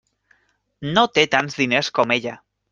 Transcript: No té tants diners com ella.